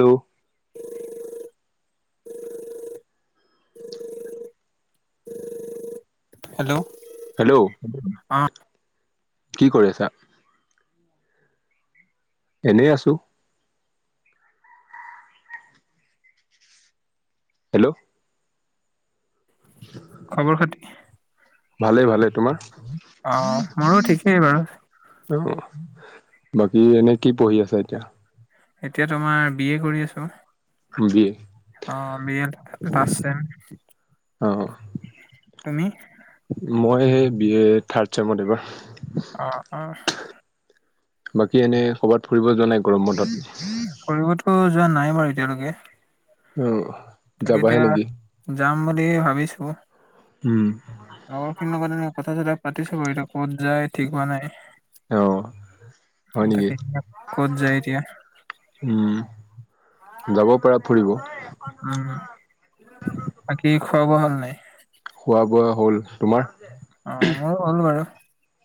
ল' [inaudible] hello. Hello. [unintelligible] কি কৰি আছা? এনেই আছোঁ। হেল্ল'। [unintelligible] খবৰ পাতি ভালেই ভালেই, তোমাৰ? অ মোৰো ঠিকেই বাৰু অ', বাকী এনে কি পঢ়ি আছা এতিয়া? এতিয়া তোমাৰ বি এ কৰি আছোঁ। বি এ অ' বি এ লাষ্ট ছেম। অ' তুমি? মই এই বি এ থাৰ্ড ছেমত এইবাৰ। অ', অ'। বাকী এনে ক'ৰবাত ফুৰিব যোৱা নাই গৰম বন্ধত? ফুৰিবতো যোৱা নাই বাৰু এতিয়ালৈকে। অ'। তাকে যাবাহে এতিয়া নেকি? যাম বুলি ভাবিছোঁ। উম, লগৰখিনিৰ লগত এনেকে কথা চথা পাতিছোঁ বাৰু, এতিয়া ক'ত যায় ঠিক হোৱা নাই। অ' হয় নেকি? [unintelligible] ক'ত যায় এতিয়া। উম, যাব পাৰা ফুৰিব। উম, বাকী খোৱা বোৱা হ'ল নে নাই? খোৱা বোৱা হ'ল। তোমাৰ? অ' ময়ো [unintelligible] বাৰু।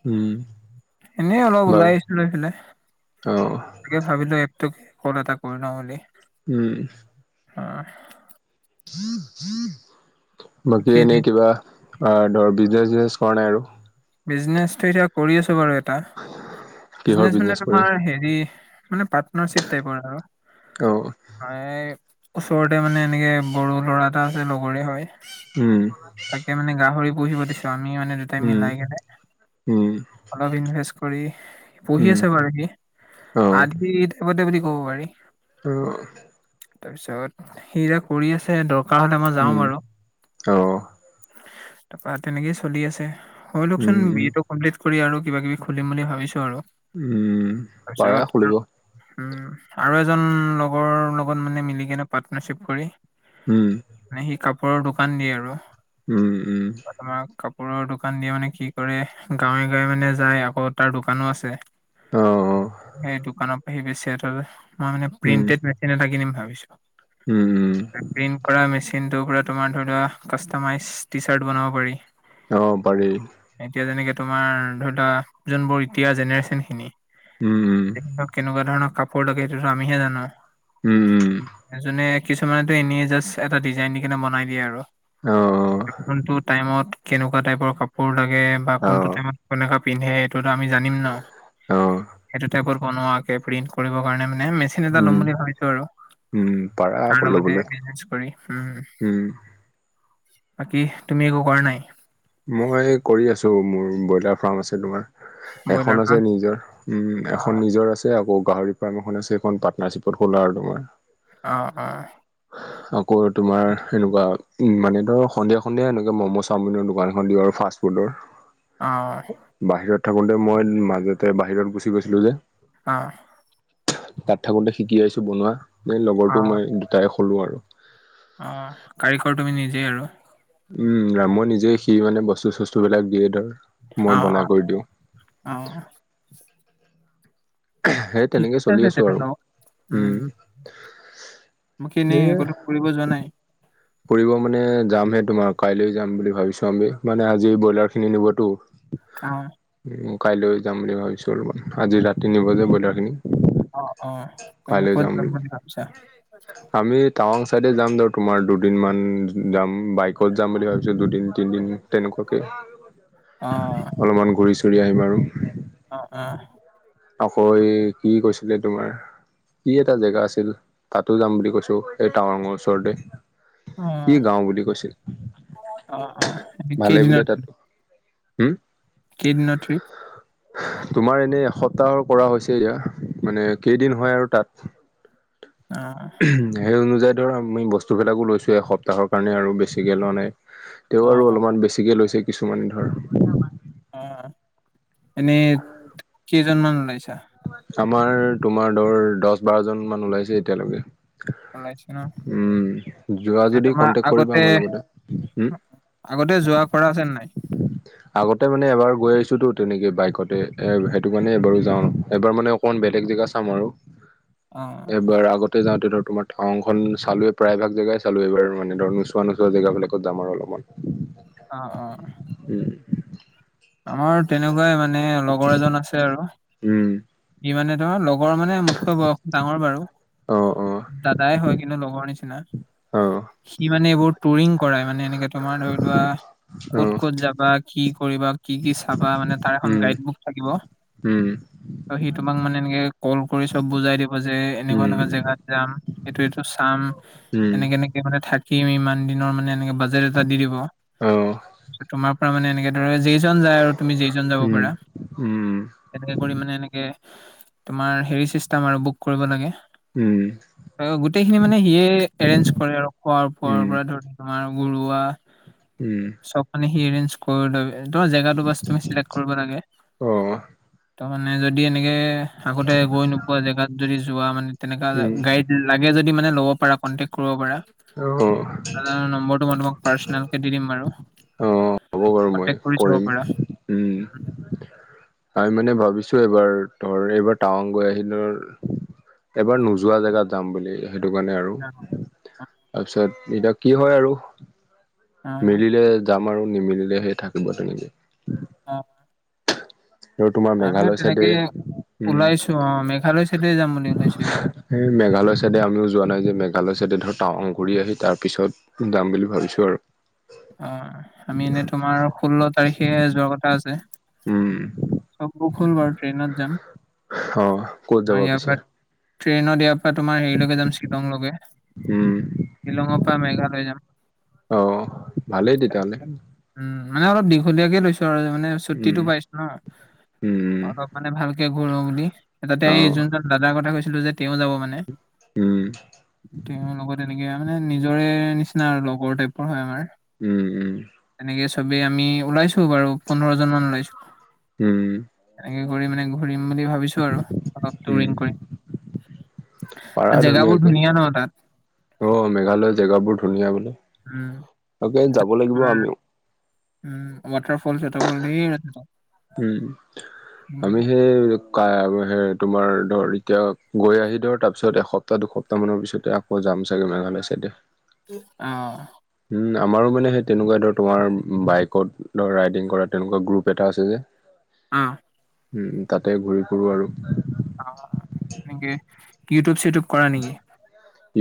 উম। এনেই অলপ বা ওলাই আহিছিলো ইফালে। অ' তাকে ভাবিলোঁ এপটোক কল এটা কৰি লওঁ বুলি। উম। হয়। বাকী এনেই কিবা ধৰ বিজনেচ চিজনেচ কৰা নাই আৰু? বিজনেছটো এতিয়া কৰি আছোঁ বাৰু ইয়াত। তাৰ, কিহৰ বিজনেচ মানে বিজনেছ কৰি? তোমাৰ হেৰি পাৰ্টনাৰচিপ টাইপৰ আৰু। অ ওচৰতে মানে এনেকে বড়ো ল'ৰা এটা আছে লগৰে হয়। উম তাকে মানে গাহৰি পুহিব দিছো আমি মানে দুটাই উম। মিলাই কিনে অলপ ইনভেষ্ট কৰি পঢ়ি আছে বাৰু সি আদিত সেইবতে বুলি ক'ব পাৰি অ তাৰপিছত সি এয়া কৰি আছে দৰকাৰ হলে মই যাম আৰু অ তাৰপৰা তেনেকেই চলি আছে হয় লক উম চোন কমপ্লিট কৰি আৰু কিবা কিবি খুলিম বুলি ভাবিছো আৰু উম পাৰা খুলিব তাৰপিছত উম আৰু এজন লগৰ লগত মানে মিলি কেনে পাৰ্টনাৰশ্বিপ কৰি উম মানে সি কাপোৰৰ দোকান দিয়ে আৰু উম উম আমাক কাপোৰৰ দোকান দিয়ে মানে কি কৰে গাঁৱে গাঁৱে মানে যায় আকৌ তাৰ দোকানো আছে। অঁ অঁ সেই দোকানৰ আহি বেছে মই মানে উম প্ৰিন্টেড না কিনিম ভাবিছো উম উম প্ৰিণ্ট কৰা মচিনটো পৰা তোমাৰ ধৰি লোৱা মাইজ টি চাৰ্ট বনাব পাৰি। অ পাৰি এতিয়া যেনেকে তোমাৰ ধৰি লোৱা যোনবোৰ এতিয়া জেনেৰেশন খিনি উম তেখক কেনেকুৱা ধৰণৰ কাপোৰ লাগে সেইটোতো আমিহে জানো উম উম। এজনে কিছুমানেতো এনে জাষ্ট এটা ডিজাইন দি কিনে বনাই দিয়ে আৰু। অঁ কোনটো টাইমত কেনেকুৱা টাইপৰ কাপোৰ লাগে, বা অঁ কোনটো টাইমত কেনেকুৱা পিন্ধে এইটোতো আমি জানিম ন, অঁ সেইটো টাইপত বনোৱা এ প্ৰিণ্ট কৰিব কাৰণে মানে মেচি খিলিনা উম লম বুলি ভাবিছো আৰু, উম পাৰা তাৰ আকৌ লগতে ল'বলৈ বিজনেছ কৰি উম। উম বাকী তুমি একো কৰা নাই? মই কৰি আছো, মোৰ ব্ৰইলাৰ ফাৰ্ম আছে তোমাৰ। ব্ৰইলাৰ এখন আছে ফাৰ্ম নিজৰ, উম অ এখন নিজৰ আছে। আকৌ গাহৰি ফাৰ্ম এখন আছে, সেইখন পাৰ্টনাৰশ্বিপত খোলা আৰু মই। অঁ অঁ আকৌ তোমাৰ এনেকুৱা উ মানে ধৰ সন্ধিয়া সন্ধিয়া এনেকুৱে মম চাওমিনৰ দোকান মন্দিৰৰ ফাষ্টফুডৰ অঁ বাহিৰত থাকোতে মই মাজতে বাহিৰত গুচি গৈছিলো যে। অঁ। তাত থাকোতে শিকি আহিছো বনোৱা, এ লগৰটো মই দুটাই খুলিলো আৰু। অঁ কাৰিকৰ তুমি নিজেই আৰু। উম, ৰামৰ নিজে সি মানে বস্তু, চস্তু বিলাক দিয়ে ধৰ। মই অঁ বনাই কৰি দিওঁ অঁ, অঁ সেই ঠিক তেনেকে চলি আছে আছো আৰু তেনেহলে উম, বাকী এনেই সেয়ে। গো ফুৰিব যোৱা নাই? ফুৰিব মানে যামহে তোমাৰ কাইলৈ যাম বুলি ভাবিছো আমি মানে আজি ব্ৰইলাৰখিনি নিবতো। কাৰণ মই কাইলৈ যাম বুলি ভাবিছোঁ আৰু আজি ৰাতি নিবজে ব্ৰইলাৰখিনি। অ', অ' এনে ক'ত যাম বুলি ভাবিছা? আমি টাৱাং চাইডে যাম ধৰ তোমাৰ দু দিনমান যাম বাইকত যাম বুলি ভাবিছো দুদিন, তিনদিন তেনেকুৱাকে। অ অলপমান ঘূৰি- চুৰি আহিম আৰু। অ', অ'। আকৌ ই, ই গৈছিলে তোমাৰ। ই এটা জেগা আছিল তাতো যাম বুলি কৈছো এই টাৱাংৰ ওচৰতে। অ কি গাও বুলি কৈছিল? অ অ এনে ভালেই বোলে কেইদিনৰ তাত, ট্ৰিপ? উম? কেইদিনৰ ট্ৰিপ? তোমাৰ এনে এসপ্তাহৰ কৰা হৈছে এয়া মানে কেইদিন হয় আৰু তাত। আ উহু সেই অনুযায়ী ধৰ আমি বস্তুবিলাকো লৈছো এসপ্তাহৰ কাৰণে আৰু বেছিকে লোৱা নাই। তেওঁ অ আৰু অ অলপমান বেছিকে লৈছে কিছুমানে ধৰ। অ'এনেই কেইজনমান ওলাইছা? আমাৰ তোমাৰ দৰ দছ, বাৰজনমান ওলাইছে এতিয়ালৈকে। ওলাইছে ন উম, যোৱা এ যদি তোমাৰ কন্টেক কৰিবা আগতে আমাৰ লগতে। উম আগতে যোৱা কৰা আছে নে নাই? আগতে মানে এবাৰ গৈ আহিছোতো তেনেকে বাইকতে এ, সেইটো কাৰণে এবাৰো যাওঁ। এবাৰ মানে অকমান বেলেগ জেগা চাম আৰু অ এবাৰ আগত তে যাওঁতে ধৰ তোমাৰ টাৱাংখন চালোয়েই প্ৰায়ভাগ জেগাই চালো এবাৰ মানে ধৰ নোচোৱা - নোচোৱা জেগাবিলাকত যাম আৰু অলপমান। অ', অ'। উম। আমাৰ তেনেকুৱাই মানে লগৰ এজন আছে আৰু উম সি মানে ধৰ লগ লগৰ মানে মোতকৈ বয়স ডাঙৰ বাৰু, অ অ দাদাই হয় কিন্তু লগৰ নিচিনা অ'। সি মানে এইবোৰ টুৰিং কৰাই মানে এনেকে তোমাৰ ধৰি লোৱা অ ক'ত, ক'ত যাবা কি কৰিবা কি কি চাবা মানে তাৰ এখন উম গাইড বুক থাকিব। উম ত' সি তোমাক মানে এনেকে কল কৰি চব বুজাই দিব যে এনেকুৱা উম এনেকুৱা জেগাত যাম এইটো - এইটো চাম উম এনেকে - এনেকে মানে থাকিম ইমান দিনৰ মানে এনেকে বাজেট এটা দি দিব। অ তোমাৰ পৰা মানে এনেকে ধৰে যি জন যায় আৰু তুমি যেইজন যাব উম পাৰা। উম উম তেনেকে কৰি মানে এনেকে তোমাৰ হেৰি চিষ্টেম আৰু বুক কৰিব লাগে। অ গোটেইখিনি মানে সিয়ে এৰেঞ্জ কৰে আৰু খোৱা - পুৱাৰ উম পৰা ধৰ তোমাৰ ঘোৰুৱা উম। চব মানে সি এৰেঞ্জ কৰি লবি, তোমাৰ জেগাটো বাছ তুমি চিলেক্ট কৰিব লাগে। অ তাৰ মানে যদি এনেকে আগতে গৈ নোপোৱা জেগাত যদি যোৱা মানে তেনেকা গা উম গাড়ীত ল লাগে যদি মানে ল'ব পাৰা, কনটেক্ট কৰিব পাৰা। অ দাদাৰ নম্বৰটো মই তোমাক পাৰ্চনেল কে দি দিম বাৰু। অ', হ'ব বাৰু মই কন্টেক্ট কৰি চাব কৰিম, পাৰা উম। আমি মানে ভাবিছো এইবাৰ ধৰ এইবাৰ টাৱাং গৈ আহিলো এবাৰ নোযোৱা জেগাত যাম বুলি সেইটো কাৰণে আৰু। অ তাৰপিছত এতিয়া কি হয় আৰু অ মিলিলে যাম আৰু নিমিলিলেহে সেই থাকিব তেনেকে। অহ। আৰু তোমাৰ মেঘালয় চাইদে তেনেকে উম ওলাইছো অ', মেঘালয় চাইডে যাম বুলি ওলাইছো এইবাৰ। সেই মেঘালয় চাইডে আমিও যোৱা নাই যে মেঘালয় চাইডে ধৰ টাৱাং ঘূৰি আহি তাৰ পিছত যাম বুলি ভাবিছো আৰু। অ আমি এনে তোমাৰ ষোল্ল তাৰিখে যোৱাৰ কথা আছে। উম। চব বুক হ'ল বাৰু ট্ৰেইনত যাম। অ ক'ত যাব আমাৰ ইয়াৰ পিছে? পৰা ট্ৰেইনত ইয়াৰ পৰা তোমাৰ হেৰিলৈকে যাম শ্বিলংলৈকে। উম। শ্বিলঙৰ পৰা মেঘালয় যাম। অ ভালেই তেতিয়া হলে। উম মানে অলপ দীঘলীয়াকে লৈছো আৰু মানে চু্টিটো উম পাইছো ন। উম। অলপ মানে ভালকে ঘূুৰো বুলি তাতে এই অ যোনজন দাদাৰ কথা কৈছিলো যে তেওঁ যাব মানে উম, তেওঁৰ লগত এনেকে মানে নিজৰে নিচিনা লগৰ টাইপৰ হয় আমাৰ। উম উম। তেনেকে চবে আমি ওলাইছো বাৰু পোন্ধৰ জন মান ওলাইছো। উম। এনেকে কৰি মানে ঘূৰিম বুলি ভা বিছো আৰু অলপ উম, টুৰিং পাৰা কৰিম। জেগাবোৰ ধুনীয়াকে। ধুনীয়া ন তাত। অ মেঘালয়ৰ জেগাবোৰ ধুনীয়া বোলে, উম তাকে তাত যাব লাগিব তোমাৰ আমিও। উম ৱাটাৰফল চোৱাটাৰফল ঢেৰ আছে। উম উম আমি যে কাই আৰু সে তোমাৰ ধৰ এতিয়া গৈ আহি ধৰ তাৰপিছত এসপ্তাহ দুসপ্তাহ মানৰ পিছতে আকৌ যাম চাগে মেঘালয় চাইডে। অহ। উম আমাৰো মানে সেই তেনেকুৱা ধৰ তোমাৰ বাইকত ধৰ ৰাইডিং কৰা তেনেকুৱা গ্ৰুপ এটা আছে যে। অহ। উম উম তাতে ঘূৰি ফুৰো আৰু। অ নেকি ইউটিউব চিটিউব কৰা নেকি?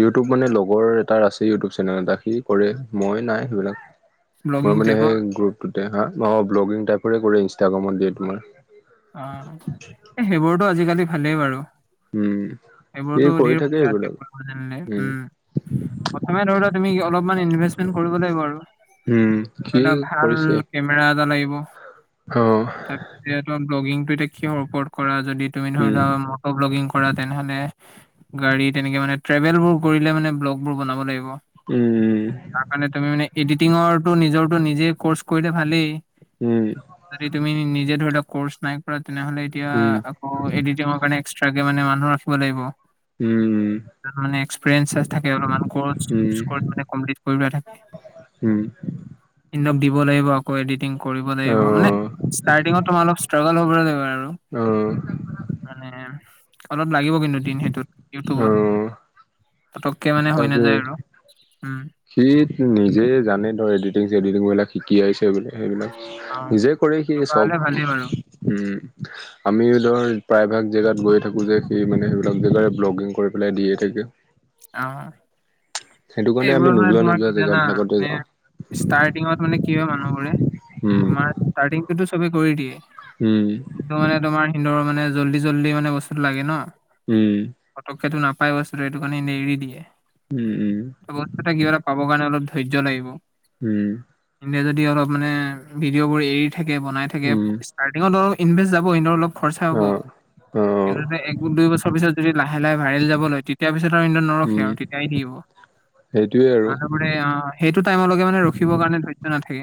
ইউটিউব মানে লগৰ এটাৰ আছে ইউটিউব চেনেল এটা সি কৰে মই নাই সেইবিলাক। মই ব্লগিং মানে টাইপৰ সেই গ্ৰুপটোতে সা অ ব্লগিং টাইপৰে কৰে ইনষ্ট্ৰাগ্ৰামত দিয়ে তোমাৰ। অ এই সেইবোৰতো আজিকালি ভালেই বাৰু। উম সি এইবোৰতো কৰি ধেৰ থাকে পইচা আছে এইবিলাক কৰিব জানিলে উম। প্ৰথমে ধৰি লোৱা তুমি অলপমান ইনভেষ্টমেন্ট কৰিব লাগিব আৰু উম ধৰি সি লোৱা ভাল কেমেৰা এটা লাগিব। অহ। তাকে তোমাৰ এতিয়া ব্লগিংটো এতিয়া কিহৰ ওপৰত কৰা যদি তুমি ধৰি উম লোৱা ম ট' ব্লগিং কৰা তেনেহ'লে গাড়ী তেনেকে মানে ট্ৰেভেলবোৰ কৰিলে মানে ব্লগবোৰ বনাব লাগিব। উম তাৰ কাৰণে তুমি মানে এডিটিঙৰটো নিজৰটো নিজে কৰ্চ কৰিলে ভালেই। উম। যদি তুমি নিজে ধৰি ল কৰ্চ নাই কৰা তেনেহলে এতিয়া উম আকৌ এডিটিং কাৰণে এক্সট্ৰাকে মানে মানুহ ৰাখিব লাগিব। উম যাৰ মানে এক্সপিৰিয়েঞ্চ থাকে অলপ মান কৰ্চ থাকে উম স্কৰ্প মানে কমপ্লিট কৰিবলে থাকে। উম ইনক দিব লাগিব আকৌ এডিটিং কৰিব অ লাগিব, মানে ষ্টাৰ্টিঙত তোমাৰ অলপ ই ষ্ট্ৰাগল হ'ব লাগিব আৰু, অ মানে অলপ লাগিব কিন্তু দিন সেইটোত অ ইউটিউবত। পতকে মানে হৈ তাকে নাযায় আৰু, উম। সি নিজেই জানে ধৰ এডিটিং চেডিটিং বিলাক শিকি আহিছে বোলে। সেইবিলাক অ', নিজে কৰে সি তেনেকুৱা হ'লে চব, ভালেই বাৰু উম। আমিও ধৰ প্ৰায়ভাগ জেগাত গৈয়ে থাকো যে সি মানে সেইবিলাক জেগাৰে ব্লগিং কৰি পেলাই দিয়ে থাকে। অহঁ সেইটো কাৰণে আমি এইবোৰত মানে নোযোৱা তোমাৰ নোযোৱা কি জানা জেগাবিলাকতে মানে যাওঁ। ষ্টাৰ্টিঙত মানে কি হয় মানুহবোৰে, উম, তোমাৰ ষ্টাৰ্টিংতুটো চবে কৰি দিয়ে। উম টো মানে তোমাৰ হিনদৰ মানে জল্দি জল্দি মানে বস্তুটো লাগে ন। উম পটককেটো নাপায় বস্তুটো এইটো কাৰণে এনেই এৰি দিয়ে। উম উম। সেই বস্তুটোৱে কিবা এটা পাবৰ কাৰণে অলপ ধৈৰ্য লাগিব। উম। এনেই যদি অলপ মানে ভিডিঅ' বোৰ এৰি থাকে বনাই থাকে। উম, ষ্টাৰ্টিংত ধৰ ইনভেষ্ট যাবই এনেইও অলপ খৰচা হ'ব। অ', অ', কিন্তু এক দুই বছৰৰ পিছত যদি লাহে লাহে ভাইৰেল যাব লয় তে তাৰপিছত আৰু অন্য উম, নৰখে আৰু তেতিয়া আহি থাকিব, আৰু ঘূৰে অঁ, সেইটো টাইমলৈকে মানে ৰখিব কাৰণে ধৈৰ্য নাথাকে।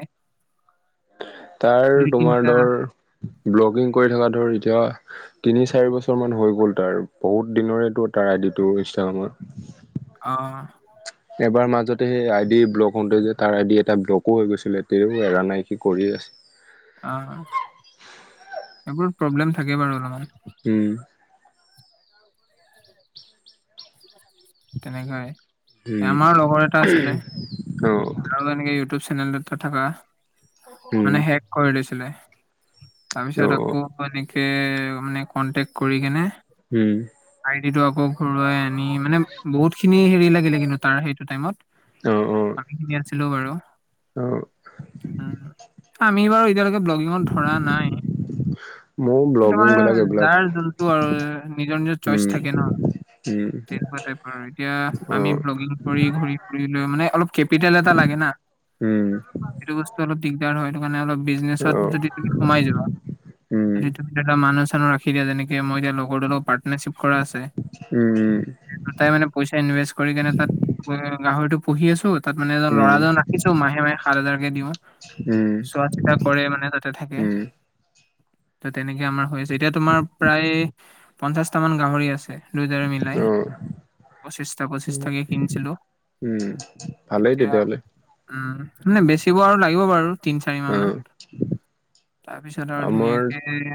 তাৰ দুই তোমাৰ তিনিটা ধৰ ব্লগিং কৰি থকা ধৰ এতিয়া তিনি চাৰি বছৰ মান হৈ গ'ল তাৰ, বহুত দিনৰেতো তাৰ আইডিটো ইনষ্টাগ্ৰামৰ। অঁ এবাৰ মাজতে সেই আই ডি ব্লক হওঁতে যে তাৰ আই ডি এটা ব্লকো হৈ গৈছিলে, তেও এৰা নাই সি কৰি আছে। আঁহ এইবোৰ প্ৰব্লেম থাকে বাৰু অলপমান। উম তেনেকৈ এ উম, আমাৰ লগৰ এটা আছিলে, অ', তাৰু এনেকে ইউটিউব চে নেলটো থকা উম, মানে হেক কৰি দিছিলে। তাৰপিছত আকৌ অ এনেকে মানে কণ্টেক্ট কৰি কেনে উম, আইডিটো আকৌ ঘুৰুৱাই আনি মানে বহুত খিনি হেৰি লাগিলে কিন্তু তাৰ সেইটো টাইমত। অ', অ', আমি খিনি আনিছিলো বাৰু। অ'। উম, আমি বাৰু এতিয়ালৈকে ব্লগিঙত ধৰা নাই। [inaudible] কি ব্লগিং বিলাক তোমাৰ এইবিলাক যাৰ যোনটো আৰু নিজৰ নিজৰ চইচ উম থাকে ন। উম তেনেকুৱা টাইপ আৰু এতিয়া অ আমি ব্লগিং কৰি ঘূৰি ফুৰি লৈ মানে অলপ কেপিটেল এটা লাগে না। উম। সেইটো বস্তু অলপ দিগদাৰ হয় সেইটো কাৰণে অলপ অ বিজনেছত যদি তুমি সোমাই যোৱা- উম যদি তুমি ধৰিলোৱা মানুহ-চানুহ ৰাখি দিয়া তেনেকে মই এতিয়া [unintelligible] পাৰ্টনাৰশ্বিপ কৰা আছে। উম দুইটাই মানে পইচা ইনভেষ্ট কৰি কেনে তাত গাহৰিটো পুহি আছো- তাত মানে এজন উম ল'ৰাজন ৰাখিছো, মাহে মাহে সাত হাজাৰকে দিওঁ। উম চোৱা চিতা কৰে মানে তাতে থাকে। উম ত' তেনেকে আমাৰ হৈ আছে, এতিয়া তোমাৰ প্ৰায় পঞ্চাশটা মান গাহৰি আছে। দুইতাৰে মিলাই অ পঁচিছটা পঁচিছাকে কিনিছিলো। উমঁ' ভালেই তেতিয়া হ'লে। উমঁ' মানে বেচিব আৰু লাগিব বাৰু- তিনি চাৰি মাহ অ মান তাৰপিছত আৰু ধুনীয়া আমাৰ এ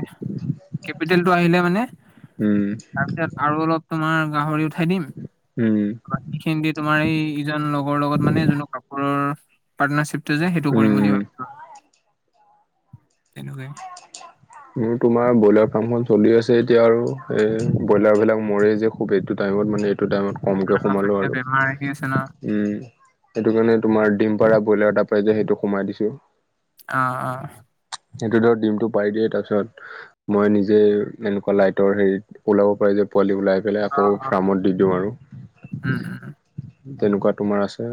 কেপিটেলটো আহিলে মানে উম তাৰপিছত আৰু অলপ তোমাৰ গাহৰি উঠাই দিম উম। বাকী খিনি দি তোমাৰ এই ইজন লগৰ লগত মানে যোনটো কাপোৰৰ পাৰ্টনাৰশ্বিপটো যে সেইটো কৰিম উম ভাবিছোঁ [unintelligible] মোৰ তোমাৰ ব্ৰইলাৰ ফাৰ্মখন চলি আছে এতিয়া আৰু এই ব্ৰইলাৰ বিলাক মৰে যে খুব এইটো টাইমত মানে এইটো টাইমত কমকে অ', সোমালোঁ এতিয়া আৰু। বেমাৰ আহি আছে ন। উমঁ' সেইটো কাৰণে তোমাৰ ডিমপাৰা ব্ৰইলাৰ এটা পাই যে সেইটো সোমাই দিছোঁ। অহ-অহ'। সেইটো ধৰ ডিমটো পাৰি দিয়ে তাৰপিছত মই নিজে এনেকুৱা লাইটৰ হেৰিত ওলাব পাৰি যে পোৱালি ওলাই পেলাই আকৌ অ', অ', ফাৰ্মত দি দিওঁ আৰু। উম, উম, উম, তেনেকুৱা তোমাৰ আছে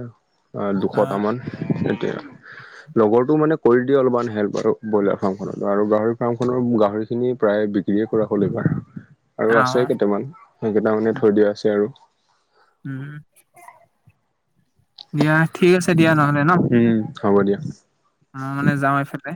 অ', দুশটামান। সেইটোৱেই, লগৰটো মানে কৰি দিয়ে অলপমান হেল্প আৰু- ব্ৰইলাৰ ফাৰ্মখনত আৰু গাহৰি ফাৰ্মনৰ গাহৰি খিনি প্ৰায় বিক্ৰীয়ে কৰা হ'ল এইবাৰ। আৰু আছে অ', কেইটামান, সেইকেইটা মানে থৈ দিয়া আছে আৰু। উমঁ উমঁ, দিয়া ঠিক আছে দিয়া নহ'লে ন'। উমঁ' হ'ব দিয়া। মই মানে যাওঁ এফালে।